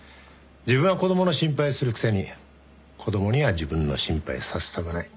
自分は子供の心配するくせに子供には自分の心配させたくない。